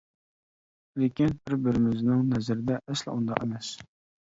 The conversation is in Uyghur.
لېكىن بىر بىرىمىزنىڭ نەزىرىدە ئەسلا ئۇنداق ئەمەس.